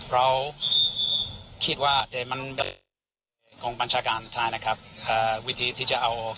เราคิดว่าของบัญชาการไทยนะครับอ่าวิธีที่จะเอาออก